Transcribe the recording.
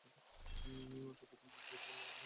প্রতিটি জীব-জন্তু জানোয়ার কাতরাতে লাগল।